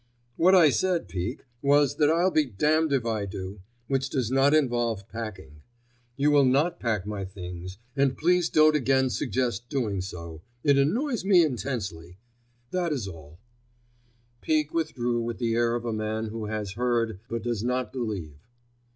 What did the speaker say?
"What I said, Peake, was that I'll be damned if I do, which does not involve packing. You will not pack my things, and please don't again suggest doing so; it annoys me intensely. That is all." Peake withdrew with the air of a man who has heard, but does not believe.